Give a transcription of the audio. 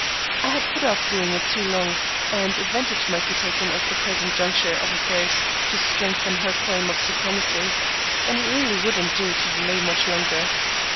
I had put off doing it too long, and advantage might be taken of the present juncture of affairs to strengthen her claim to supremacy, and it really wouldn't do to delay much longer.